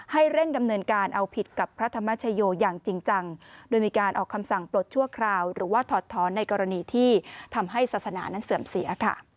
เร่งดำเนินการเอาผิดกับพระธรรมชโยอย่างจริงจังโดยมีการออกคำสั่งปลดชั่วคราวหรือว่าถอดท้อนในกรณีที่ทำให้ศาสนานั้นเสื่อมเสีย